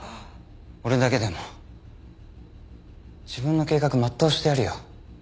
俺だけでも自分の計画全うしてやるよ。